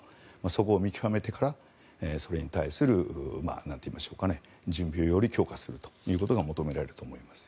そこを見極めてからそれに対する準備をより強化することが求められると思います。